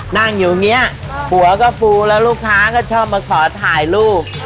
นั่งอยู่อย่างนี้หัวก็ฟูแล้วลูกค้าก็ชอบมาขอถ่ายรูป